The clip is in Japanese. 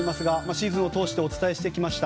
シーズンを通してお伝えしてきました